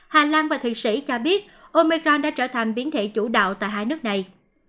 hà lan và thuyền sĩ cho biết omicron đã trở thành biến thể chủ đạo tại hai nước này